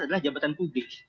adalah jabatan publik